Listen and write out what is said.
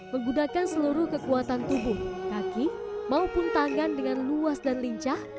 menggunakan seluruh kekuatan tubuh kaki maupun tangan dengan luas dan lincah